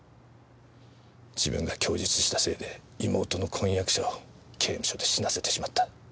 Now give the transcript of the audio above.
自分が供述したせいで妹の婚約者を刑務所で死なせてしまった。